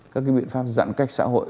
các biện pháp giãn cách xã hội